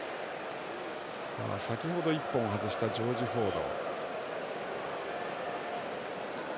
先程、１本外したジョージ・フォード。